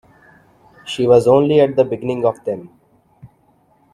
She was only at the beginning of them.